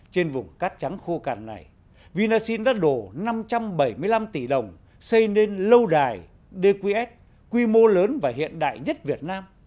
trên vùng cát trắng khô cằn này vinasin đã đổ năm trăm bảy mươi năm tỷ đồng xây nên lâu đài dqs quy mô lớn và hiện đại nhất việt nam